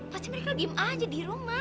pasti mereka diem aja di rumah